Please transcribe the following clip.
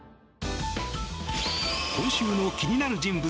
今週の気になる人物